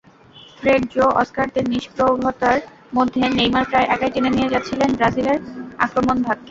ফ্রেড-জো-অস্কারদের নিষ্প্রভতার মধ্যে নেইমার প্রায় একাই টেনে নিয়ে যাচ্ছিলেন ব্রাজিলের আক্রমণভাগকে।